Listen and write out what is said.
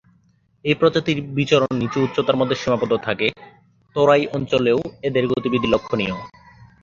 এই প্রজাতির বিচরণ নিচু উচ্চতার মধ্যে সীমাবদ্ধ থাকে, তরাই অঞ্চলেও এদের গতিবিধি লক্ষনীয়।